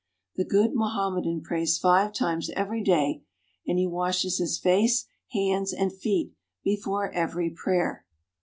The good Mohammedan prays five times every day, and he washes his face, hands, and feet before every prayer.